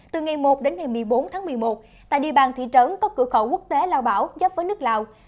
từ ngày một đến ngày một mươi bốn tháng một mươi một tại địa bàn thị trấn có cửa khẩu quốc tế lao bảo giáp với nước lào